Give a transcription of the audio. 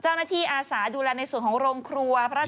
จ้าหน้าที่อาสารดูแลในส่วนของโรงครัวพระราชธาน